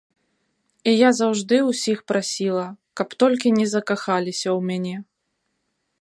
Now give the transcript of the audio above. І я заўжды ўсіх прасіла, каб толькі не закахаліся ў мяне.